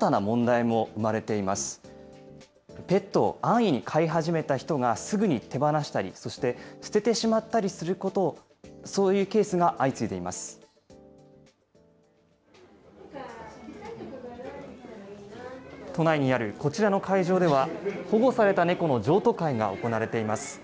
都内にあるこちらの会場では、保護された猫の譲渡会が行われています。